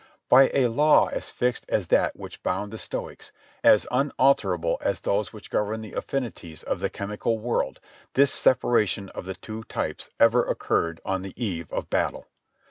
By a law as fixed as that which bound the Stoics, as un alterable as those which govern the affinities of the chemical world, this separation of the two types ever occurred on the eve of battle.